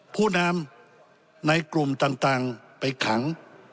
ผู้นำในกลุ่มต่างไปขัง